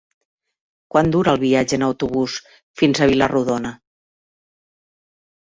Quant dura el viatge en autobús fins a Vila-rodona?